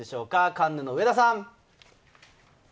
カンヌの上田さん！